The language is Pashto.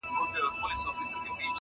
لاره تعقيبوي خاموشه او جلا.